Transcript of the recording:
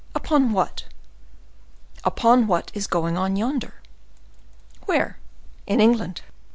"Upon what?" "Upon what is going on yonder." "Where?" "In England."